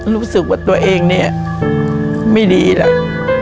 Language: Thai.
รู้สึกว่าตัวเองนี่ไม่ดีหรอก